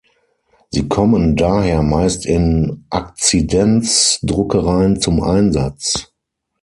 Sie kommen daher meist in Akzidenz-Druckereien zum Einsatz.